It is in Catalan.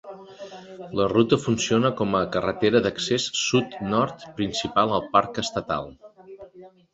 La ruta funciona com a carretera d'accés sud-nord principal al parc estatal.